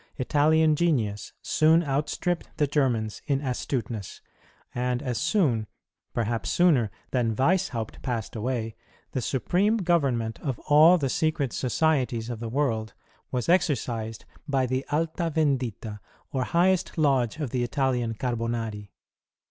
Italian genius soon outstripped the Germans in astuteness; and as soon, perhaps sooner, than Weishaupt passed away, the supreme government of all the secret societies of the world was exercised by the Alta Yendita or highest lodge of the Italian Carbonari.